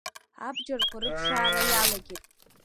Абџьарқәа рыԥшаарала иалагеит.